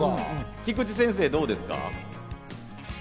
菊地先生、どうですか？